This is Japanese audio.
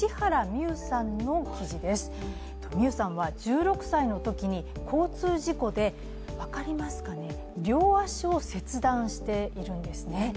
海さんは１６歳のときに交通事故で両足を切断しているんですね。